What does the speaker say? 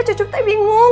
cucu teh bingung